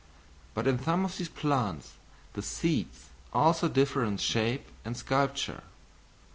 But in some of these plants the seeds also differ in shape and sculpture.